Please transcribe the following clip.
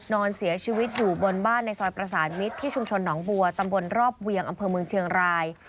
นอนเสียชีวิตอยู่บนบ้านในซอยประสานมิตรที่ชุมชนหนองบัวตำบลรอบเวียงอำเภอเมืองเชียงราย